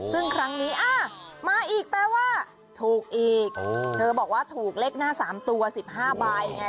ซึ่งครั้งนี้มาอีกแปลว่าถูกอีกเธอบอกว่าถูกเลขหน้า๓ตัว๑๕ใบไง